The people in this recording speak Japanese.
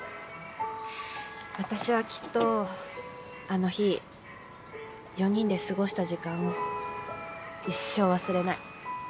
私はきっとあの日４人で過ごした時間を一生忘れない。